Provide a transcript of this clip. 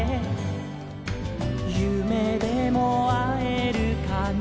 「ゆめでもあえるかな」